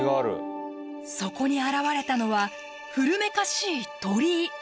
そこに現れたのは古めかしい鳥居。